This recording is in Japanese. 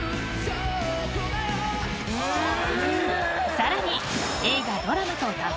［さらに］